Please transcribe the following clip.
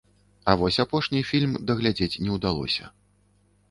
А вось апошні фільм даглядзець не ўдалося.